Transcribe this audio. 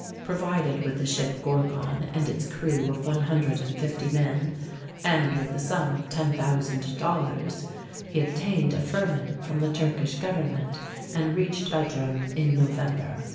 Provided with the ship Gorgon and its crew of one hundred and fifty men, and with the sum of ten thousand dollars, he obtained a firman from the Turkish Government, and reached Budrum in November.